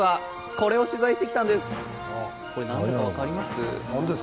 これ何だか分かります？